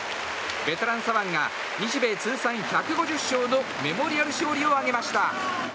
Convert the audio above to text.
ベテラン左腕が日米通算１５０勝のメモリアル勝利を挙げました。